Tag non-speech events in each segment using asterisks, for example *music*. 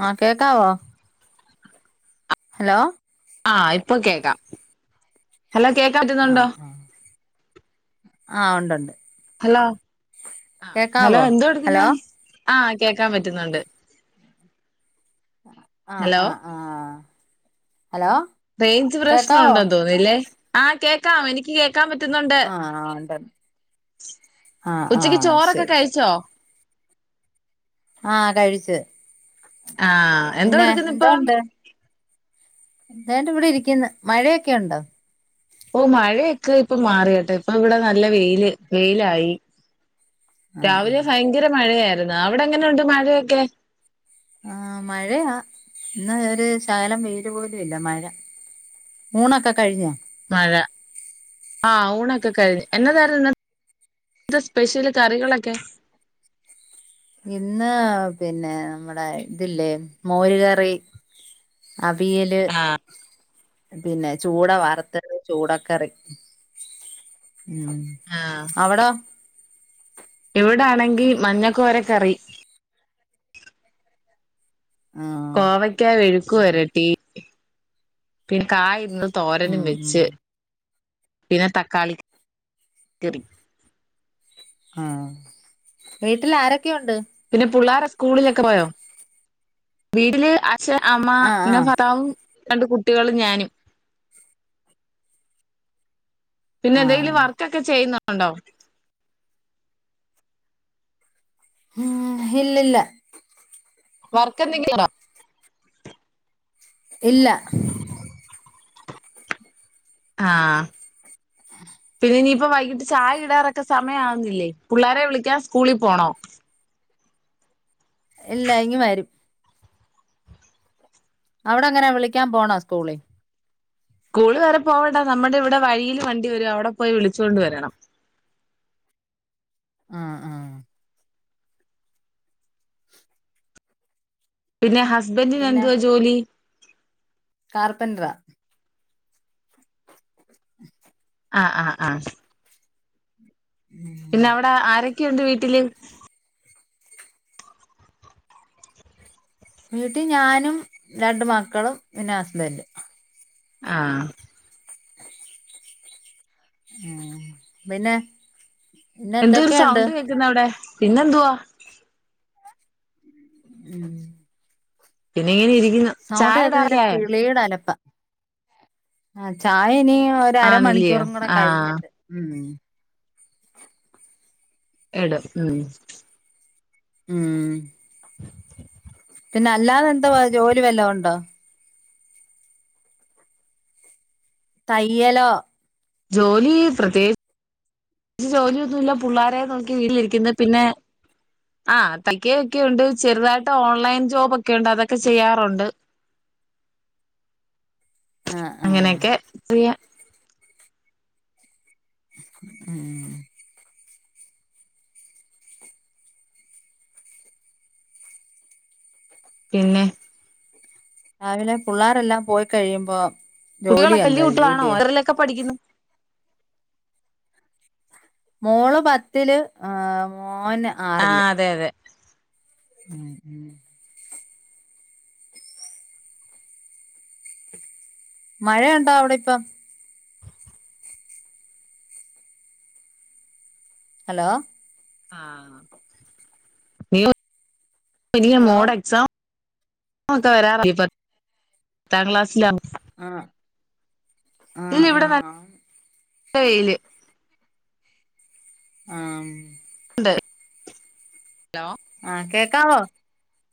ആഹ കേക്കാവോ ഹലോ ആ ഇപ്പൊ കേൾക്കാം ഹലോ കേക്കറ്റുന്നുണ്ടോ ആ് ഉണ്ട്ുണ്ട് ഹലോ ഹലോ എന്താ ഹലോ വിഠിക്കുന്നത് ആഹ കേക്കാൻ പറ്റുന്നുണ്ട് ആഹ് ഹലോ ആഹ് ആഹ റേഞ്ച് പ്രശ്നം ഉണ്ടന്ന് തോന്നല്ലേ ആഹ കേക്കാം എനിക്ക് കേ ആഹ് ആ ഉണ്ട ഉച്ചക്ക് ചോറൊക്കെ ശരി കഴിച്ചോ ആഹ കഴിച്ചു ആ എന്തോ പിന്നെ എടുക്കുന്നു ഇപ്പൊ എന്താ ഉണ്ട് എന്റെ ഇവിടെ ഇരിക്കുന്ന മഴയൊക്കെ ഉണ്ടോ പ്പ മഴയൊക്കെ ഇപ്പൊ മാറട്ടെ ഇപ്പൊ ഇവിടെ നല്ല വെയില് വെയിലായി ആഹ് രാവിലെ ആഹ് ഭയങ്കര മഴയായിരുന്നു അവിടെ എങ്ങനെുണ്ട് മഴയൊക്കെ ആ മഴയാ ഇന്ന് ഒരു ശകലം പെയര് പോലും ഇല്ല മഴ ൂണക്ക കഴഞ്ഞാ മഴ ആ ഊണൊക്കെ കഴിഞ്ഞ് എന്ന തര എന്ത സ്പെഷ്യല് കറികളൊക്കെ ഇന്ന് പിന്നെ നമ്മടെ ഇതില്ലേ മോര കറി അിയല് ആ പിന്നെ ചൂടാ വറുത്തത് ചൂടൊക്കെ ഇറി ഉം അവിട ഇവിട ആണെങ്കി മഞ്ഞക്കോര കറി ആഹ് കോവയ്ക്ക എഴുക്കു വരട്ടീ പിന്നെ കായ ഇന്ന് തോരനും ഉം ഉം വെച്ച് പിന്നെ തക്കാളികറി ആഹ വീട്ടിൽ ആരൊക്കെയ ഉണ്ട് പിന്നെ പിള്ളോര സ്കൂളിലൊക്കെ പോയോ വീട്ടില് അച്ഛൻ അമ്മ ആഹ് പിന്നെ ആഹ് ഭർതാവും രണ്ട് കുട്ടികളും ഞാനും പിന്നെ ആഹ് എന്തെങ്കിലും വർക്കൊക്കെ ചെയ്യുന്നുണ്ടോ ഉം ഇല്ലല്ല വർക്ക് എന്തെങ്കിലുമുണ്ടോ ഇല്ല ആഹ്. *unintelligible* പിന്നെ ഇനിയിപ്പോ വൈകിട്ട് ചായ ഇടാറൊക്കെ സമയാവുന്നില്ലേ? പുള്ളാരെ വിളിക്കാൻ സ്കൂളിൽ പോണോ? എല്ല ഇങ്ങ്‌ വരും അവിടെങ്ങനെ വിളിക്കാൻ പോണ സ്കൂളി. സ്കൂള് വരെ പോവണ്ടാ. നമ്മടെ ഇവടെ വഴീല് വണ്ടി വരും. അവടെ പോയി വിളിച്ച് കൊണ്ട് വരണം. *inaudible* മ് മ് പിന്നെ ഹസ്ബന്റിന് എന്തുവാ ജോലി? കാർപ്പെന്ററ ആഹ് ആഹ് ആഹ് ഉം പിന്നെ അവടെ ആരൊക്കെയുണ്ട് വീട്ടില്? വീട്ടിൽ ഞാനും രണ്ട് മക്കളും പിന്നെ ഹസ്ബന്റും ആഹ് *inaudible* *inaudible* ഉം പിന്നെ പിന്നെ എന്തരു എന്തൊക്കെയുണ്ട് സൗണ്ട് കേക്കുന്നവിടെ പിന്നെന്തുവാ? ഉം പിന്നേ *unintelligible* സൗണ്ട് കേക്കുന്നില്ല കിളിയുടെ അലപ്പാ ആ ചായ ഇനി ഒര ആന്നില്ലയോ അരമണിക്കൂറും കൂടെ ആഹ് കഴിഞ്ഞിട്ട് ഉം *unintelligible* എടൊ ഉം ഉം പിന്നെ അല്ലാതെ എന്താ ജോലി വല്ലോം ഉണ്ടോ തയ്യലോ. ജോലി പ്രത്യേ ച്ച് ജോലിയൊന്നുമല്ല പുള്ളാരെ നോക്കി വീട്ടിലിരിക്കുന്നു പിന്നെ ആഹ് തയ്ക്ക ഒക്കെുണ്ട് ചെറുതായിട്ട് ഓൺലൈൻ ജോബ ഒക്കെ ഉണ്ട് അതൊക്കെ ചെയ്യാറുണ്ട് ആഹ് ആഹ് അങ്ങനെയൊക്കെ ചെയ്യ ഉം പിന്നെ രാവിലെ പുള്ളേരെല്ലാം പോയി കഴിയുമ്പോ കുട്ടികളൊക്കെ ജോലിയങ്ങ് വല്യ കഴിയും കുട്ടികളാണോ ല്ല്യേ എത്രയിലൊക്കെ പഠിക്കുന്നു മോള് പത്തില് ഏഹ് മോന് ആഹ് ആറില് അതെ അതെ ഉം ഉം മഴേണ്ടോ അവ്ടെ ഇപ്പം? അലോ ആഹ് *unintelligible* ഹലോ മോടെ എക്സാമാ ഒക്കെ വരാറാ ഈ പത് ത്താം ക്ലാസിലാ ആഹ്. ആഹ് ഇല്യ ഇവിടെ നൽ ആഹ് വെയിൽ ആഹ് ണ്ട് ഹലോ ആഹ് കേക്കാവോ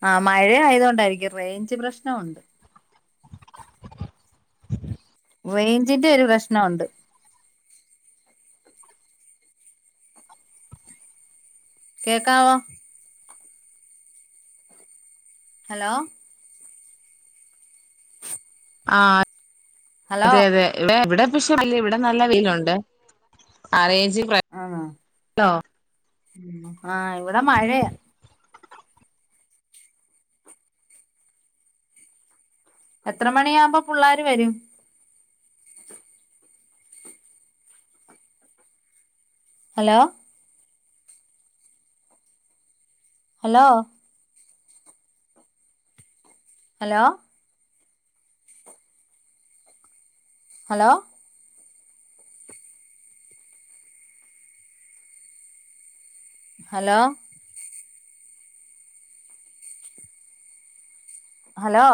ആ മഴയ ആയതോണ്ടായിരിക്കും റേഞ്ച് പ്രശ്നൊണ്ട് *unintelligible* റേഞ്ചിന്റെ ഒരു പ്രശ്നുണ്ട് കേക്കാവോ? ഹലോ ആഹ് ഹലോ അതെ അതെ ഇവിടെ പക്ഷെ ഇവിടെ നല്ല വെയിലുണ്ട് ആറയിജ് പ്രാ ആണോ *unintelligible* ആഹ് ഇവിടെ മഴയ. എത്ര മണിയാവുമ്പോ പിള്ളാര് വരും hello hello hello hello hello hello